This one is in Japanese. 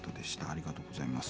ありがとうございます。